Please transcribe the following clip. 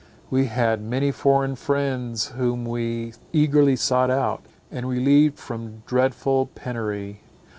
We had many foreign friends whom we eagerly sought out, and relieved from dreadful penury.